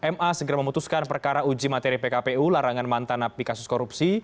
ma segera memutuskan perkara uji materi pkpu larangan mantan api kasus korupsi